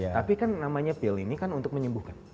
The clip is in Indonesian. tapi kan namanya pil ini kan untuk menyembuhkan